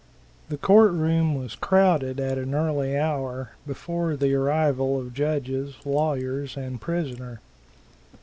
The court room was crowded at an early hour, before the arrival of judges, lawyers and prisoner.